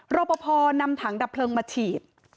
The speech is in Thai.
รอปภนำถังดับเพลิงมาฉีด